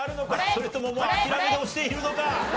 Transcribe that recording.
それとももう諦めで押しているのか？